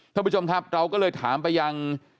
ท่านผู้ชมครับเราก็เลยถามไปยัง